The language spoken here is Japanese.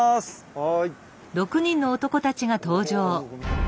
・はい。